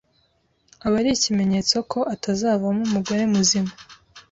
aba ari ikimenyetso ko atazavamo umugore muzima.